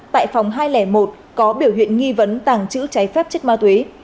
tại phòng hai trăm linh một có biểu hiện nghi vấn tàng trữ cháy phép chất ma túy